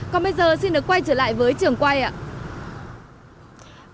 còn bây giờ xin được quay trở lại với trường quay ạ